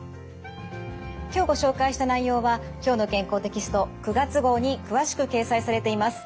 今日ご紹介した内容は「きょうの健康」テキスト９月号に詳しく掲載されています。